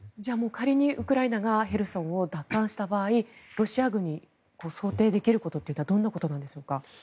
仮にウクライナがヘルソンを奪還した場合ロシア軍に想定できることはどんなことなんでしょうか。